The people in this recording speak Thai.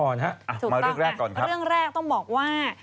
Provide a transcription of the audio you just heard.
เรื่องแรกต้องบอกว่า